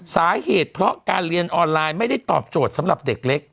สาเหตุเพราะการเรียนออนไลน์ไม่ได้ตอบโจทย์สำหรับเด็กเล็ก